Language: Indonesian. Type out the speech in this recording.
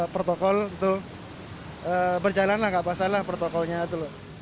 protokol itu berjalan lah nggak usah lah protokolnya itu loh